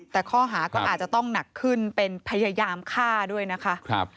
แต่ข้อหาก็อาจจะต้องหนักขึ้นเป็นพยายามฆ่าด้วยนะคะ